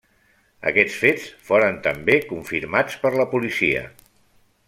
Aquests fets foren també confirmats per la policia.